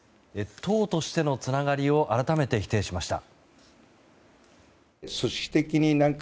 党としてのつながりを改めて否定しました。